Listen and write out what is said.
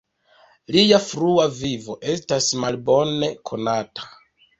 Lia frua vivo estas malbone konata.